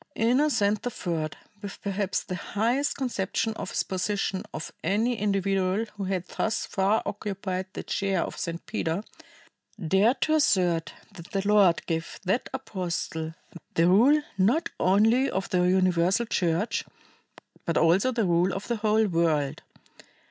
Innocent III, with perhaps the highest conception of his position of any individual who had thus far occupied the chair of St. Peter, dared to assert that the Lord gave that apostle the rule not only of the Universal Church, but also the rule of the whole world.